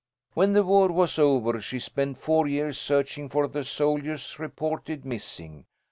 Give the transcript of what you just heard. "When the war was over, she spent four years searching for the soldiers reported missing.